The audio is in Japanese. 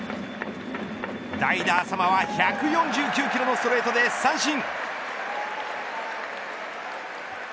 代打淺間は１４９キロのストレートで三振。